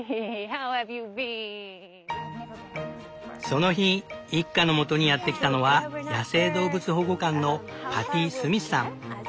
その日一家のもとにやって来たのは野生動物保護官のパティ・スミスさん。